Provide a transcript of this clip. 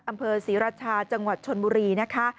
อำเภอศรีราชาจังหวัดชนบุรีนะคะ